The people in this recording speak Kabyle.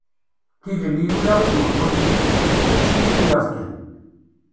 Tilelli ula i tmeṭṭut-ik d yelli-k, mačči i tiyaḍ kan.